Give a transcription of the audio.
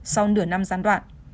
sau nửa năm gian đoạn